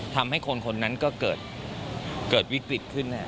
ทำให้คนคนนั้นก็เกิดวิกฤตขึ้น